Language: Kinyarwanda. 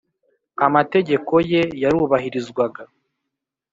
amategeko ye yarubahirizwaga